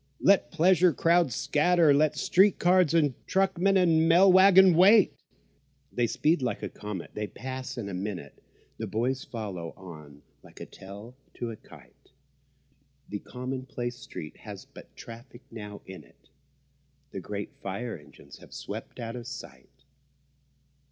let pleasure crowds scatter, Let street car and truckman and mail waggon wait. They speed like a comet—they pass in a minute; The boys follow on like a tail to a kite; The commonplace street has but traffic now in it— The great fire engines have swept out of sight.